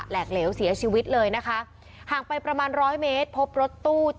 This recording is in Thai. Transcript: กเหลวเสียชีวิตเลยนะคะห่างไปประมาณร้อยเมตรพบรถตู้